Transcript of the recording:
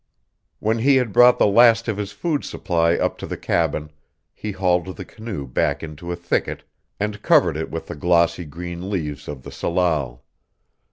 When he had brought the last of his food supply up to the cabin, he hauled the canoe back into a thicket and covered it with the glossy green leaves of the salal.